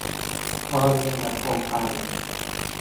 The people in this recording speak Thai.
ตอนเย็นจะโทรไป